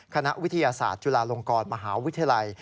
คณะวิทยาศาสตร์จุฬาลงกรมหาวิทยาลัย